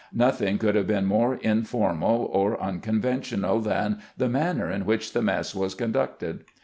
Nothing could have been more informal or unconven tional than the manner in which the mess was con ducted.